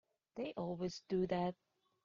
They always do that.